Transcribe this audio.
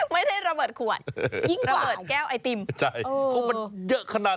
ไม่ใช่ระเบิดขวดยิ่งกว่า